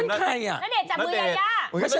น้าเดจับมือยาย่า